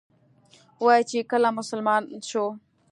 وایي چې کله مسلمان شو.